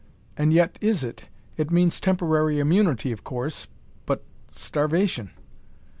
"And yet, is it? It means temporary immunity, of coarse. But starvation!"